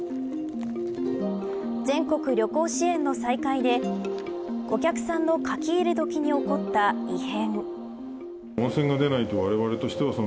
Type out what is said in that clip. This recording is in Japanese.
全国旅行支援の再開でお客さんの書き入れ時に起こった異変。